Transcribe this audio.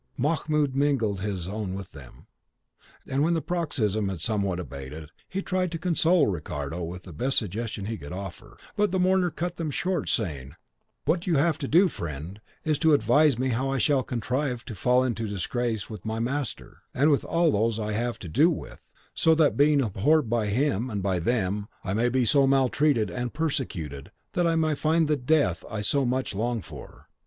Mahmoud mingled his own with them; and when the paroxysm had somewhat abated, he tried to console Ricardo with the best suggestions he could offer; but the mourner cut them short, saying, "What you have to do, friend, is to advise me how I shall contrive to fall into disgrace with my master, and with all those I have to do with, so that, being abhorred by him and by them, I may be so maltreated and persecuted that I may find the death I so much long for."